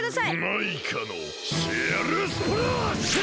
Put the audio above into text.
マイカのシェルスプラッシュ！